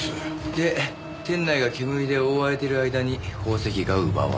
で店内が煙で覆われている間に宝石が奪われた。